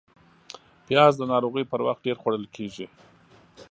پیاز د ناروغۍ پر وخت ډېر خوړل کېږي